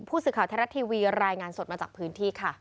ผู้สื่อข่าวไทยรัฐทีวีรายงานสดมาจากพื้นที่ค่ะ